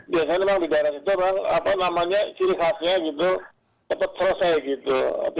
biasanya memang di daerah situ memang apa namanya ciri khasnya gitu cepat selesai gitu